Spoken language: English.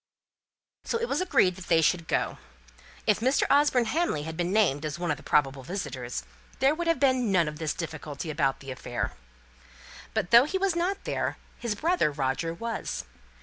So it was agreed that they should go. If Mr. Osborne Hamley had been named as one of the probable visitors, there would have been none of this difficulty about the affair. But though he was not there, his brother Roger was.